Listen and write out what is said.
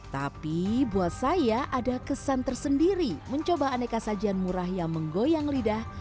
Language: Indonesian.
tapi buat saya ada kesan tersendiri mencoba aneka sajian murah yang menggoyang lidah